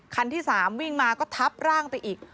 คันที่๓วิ่งมาก็ทับร่างไปอีก